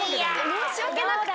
申し訳なくて。